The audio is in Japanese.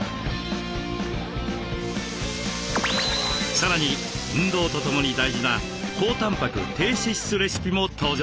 さらに運動とともに大事な高たんぱく低脂質レシピも登場します。